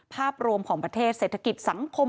ภาพรวมของประเทศเศรษฐกิจสังคม